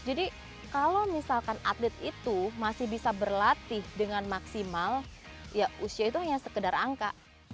jadi kalau misalkan atlet itu masih bisa berlatih dengan maksimal ya usia itu hanya sekedar angka